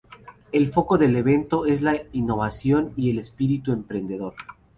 El foco del evento es la innovación y el espíritu emprendedor.